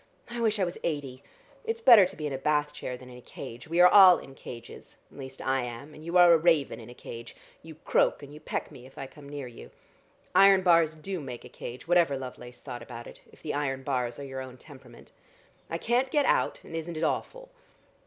I wish I was eighty. It's better to be in a bath chair than in a cage. We are all in cages, at least I am, and you are a raven in a cage. You croak, and you peck me if I come near you. Iron bars do make a cage, whatever Lovelace thought about it, if the iron bars are your own temperament. I can't get out, and isn't it awful?"